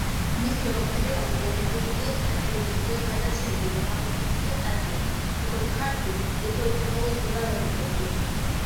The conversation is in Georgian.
მის შემოქმედებაზე გაკეთებულია სატელევიზიო გადაცემები და გამოცემულია სტატიები, როგორც ქართულ ისე უცხოურ ჟურნალ გაზეთებში.